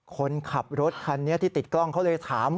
คนขับรถคันนี้ที่ติดกล้องเขาเลยถาม